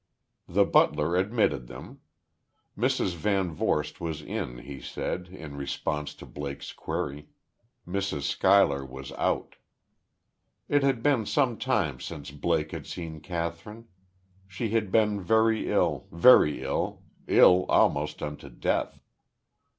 The butler admitted them. Mrs. VanVorst was in, he said, in response to Blake's query; Mrs. Schuyler was out.... It had been some time since Blake had seen Kathryn. She had been very ill, very ill ill almost unto death.